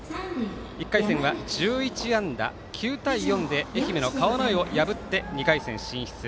１回戦は１１安打９対４で愛媛の川之江を破って２回戦進出。